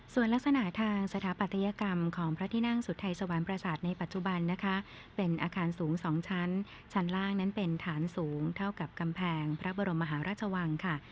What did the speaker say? ส่วนลักษณะทางสถาปัตยกรรมของพระที่นั่งสุทัยสวรรค์ประสาทในปัจจุบันนะคะเป็นอาคารสูง๒ชั้นชั้นล่างนั้นเป็นฐานสูงเท่ากับกำแพงพระบรมมหาราชวังค่ะ